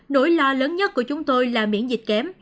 nỗi lo lớn nhất của chúng tôi là miễn dịch kém